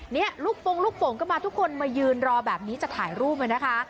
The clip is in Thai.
นี่ลูกปงก็มาทุกคนมายืนรอแบบนี้จะถ่ายรูปเลยนะคะ